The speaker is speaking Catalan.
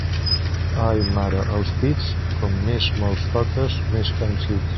Ai, mare, els pits, com més me'ls toques més pansits.